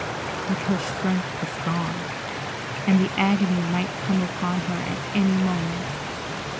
But her strength was gone, and the agony might come upon her at any moment.